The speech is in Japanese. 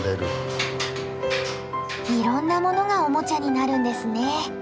いろんなものがオモチャになるんですね。